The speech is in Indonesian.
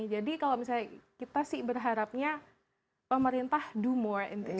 jadi kalau misalnya kita sih berharapnya pemerintah do more in this